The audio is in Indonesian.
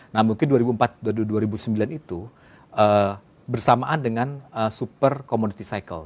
nah mungkin dua ribu empat dua ribu sembilan itu bersamaan dengan super commodity cycle